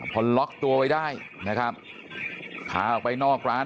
พอล็อกตัวไว้ได้นะครับพาออกไปนอกร้าน